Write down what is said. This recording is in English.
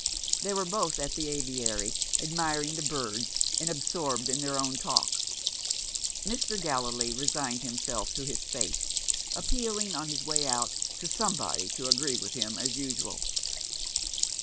They were both at the aviary, admiring the birds, and absorbed in their own talk. Mr. Gallilee resigned himself to his fate; appealing, on his way out, to somebody to agree with him as usual.